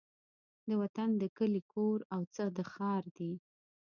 د وطن د کلي کور او څه د ښار دي